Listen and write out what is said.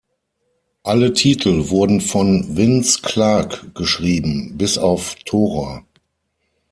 Alle Titel wurden von Vince Clarke geschrieben, bis auf "Tora!